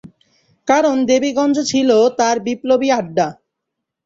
কারণ দেবীগঞ্জ ছিল তার বিপ্লবী আড্ডা।